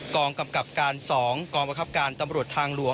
กองกำกับการ๒กองประคับการตำรวจทางหลวง